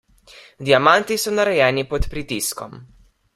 Diamanti so narejeni pod pritiskom.